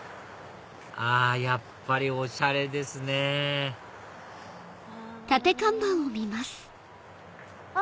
あやっぱりおしゃれですねぇあっ！